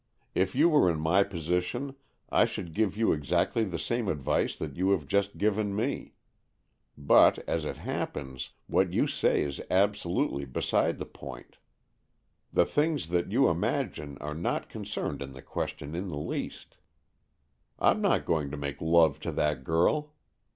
If you were in my position, I should give you exactly the same advice that you have just given me. But, as it happens, what you say is absolutely beside the point. The things that you imagine are not con AN EXCHANGE OF SOULS 61 cerned in the question in the least. Fm not going to make love to that girl.